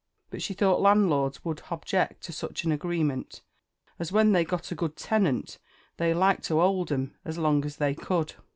_ but she thought landlords would _h_object to such an agreement, as when they got a good tenant they liked to 'old 'im as long as they could.